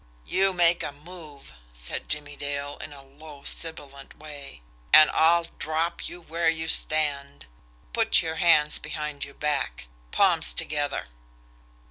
"You make a move," said Jimmie Dale, in a low sibilant way, "and I'll drop you where you stand! Put your hands behind your back palms together!"